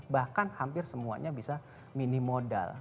bahkan hampir semuanya bisa minim modal